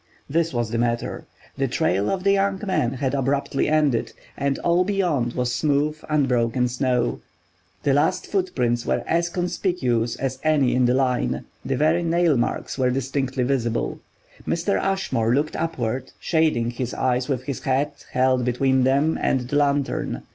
This was the matter: the trail of the young man had abruptly ended, and all beyond was smooth, unbroken snow. The last footprints were as conspicuous as any in the line; the very nail marks were distinctly visible. Mr. Ashmore looked upward, shading his eyes with his hat held between them and the lantern.